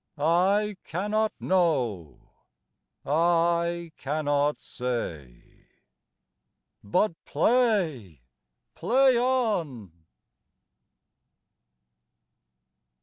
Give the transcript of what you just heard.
I cannot know. I cannot say. But play, play on.